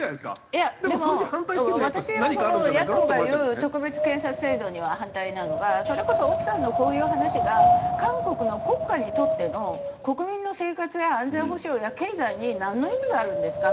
いやでも私はその野党が言う特別検査制度には反対なのがそれこそ奥さんのこういう話が韓国の国家にとっての国民の生活や安全保障や経済になんの意味があるんですか？